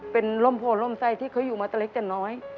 เป็นร่มโผล่ล่มไส้ที่เขาอยู่มาแต่เล็กแต่น้อย